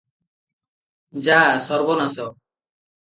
ଯାଃ ସର୍ବନାଶ ।